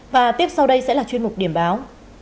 và tiếp sau đây sẽ là chuyên mục điểm báo